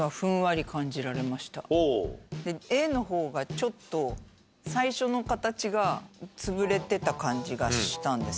Ａの方がちょっと最初の形が潰れてた感じがしたんですよね。